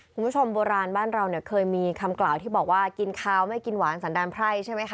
โบราณบ้านเราเนี่ยเคยมีคำกล่าวที่บอกว่ากินข้าวไม่กินหวานสันดารไพร่ใช่ไหมคะ